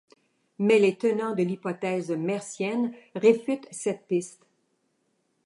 Mais les tenants de l'hypothèse mercienne réfutent cette piste.